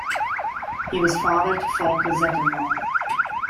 He was father to Folke Zettervall.